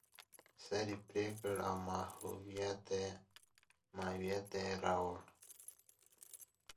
سر یې پرې کړ او ماهویه ته یې راوړ.